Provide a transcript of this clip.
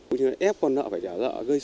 cũng như là ép con nợ phải trả lợi